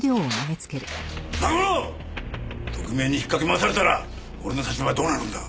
特命に引っかき回されたら俺の立場はどうなるんだ！